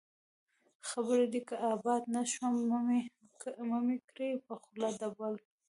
خير دى که آباد نه شوم، مه مې کړې په خوله د بل